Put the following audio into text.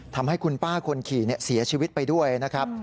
ทำให้คุณป้าคนขี่เสียชีวิตไปด้วยนะครับ